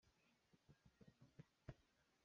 Kan halmi kha ka el hlah.